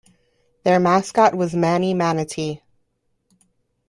Their mascot was Manny Manatee.